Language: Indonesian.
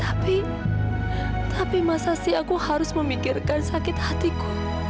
tapi tapi masa sih aku harus memikirkan sakit hatiku